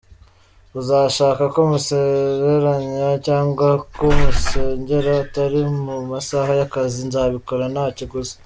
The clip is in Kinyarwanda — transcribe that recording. Uzashaka ko musezeranya cyangwa ko musengera atari mu masaha y’akazi nzabikora nta kiguzi.